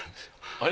あれ？